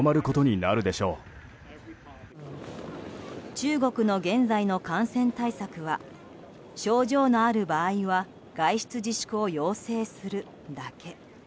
中国の現在の感染対策は症状のある場合は外出自粛を要請するだけ。